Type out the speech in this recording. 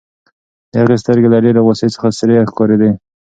د هغه سترګې له ډېرې غوسې څخه سرې ښکارېدې.